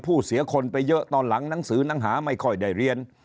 เสียคนไปเยอะตอนหลังหนังสือหนังหาไม่ค่อยได้เรียน